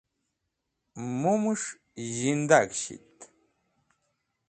mum'esh zhindag shit